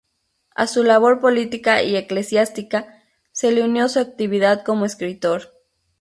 A su labor política y eclesiástica, se le unió su actividad como escritor.